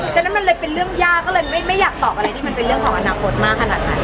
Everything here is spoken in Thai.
ฉะนั้นมันเลยเป็นเรื่องยากก็เลยไม่อยากตอบอะไรที่มันเป็นเรื่องของอนาคตมากขนาดนั้น